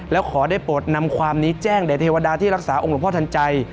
แล้วขอได้โปรดนำความนี้แจ้งแด่เทวดาที่รักษาองค์หลวงพ่อทันใจ